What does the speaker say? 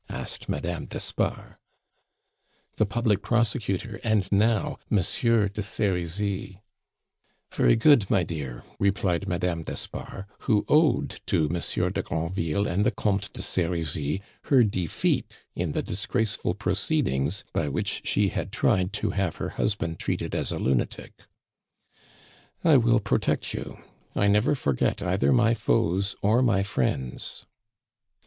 asked Madame d'Espard. "The public prosecutor, and now Monsieur de Serizy." "Very good, my dear," replied Madame d'Espard, who owed to Monsieur de Granville and the Comte de Serizy her defeat in the disgraceful proceedings by which she had tried to have her husband treated as a lunatic, "I will protect you; I never forget either my foes or my friends."